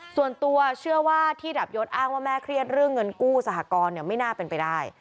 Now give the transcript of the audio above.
ส่วนตัวเชื่อว่าที่ดับยศอ้างว่าแม่เครียดเรื่องเงินกู้สหกรณ์ไม่น่าเป็นไปได้